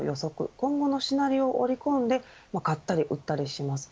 今後のシナリオを織り込んで買ったり売ったりします。